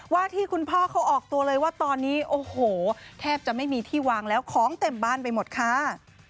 ว่าที่คุณพ่อเขาออกตัวเลยว่าตอนนี้โอ้โหแทบจะไม่มีที่วางแล้วของเต็มบ้านไปหมดค่ะ